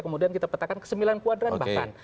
kemudian kita petakan ke sembilan kuadran bahkan